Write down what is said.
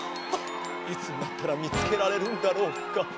ああいつになったらみつけられるんだろうか。